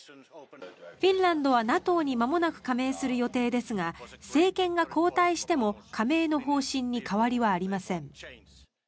フィンランドはＮＡＴＯにまもなく加盟する予定ですが政権が交代しても加盟の方針に変わりはありません。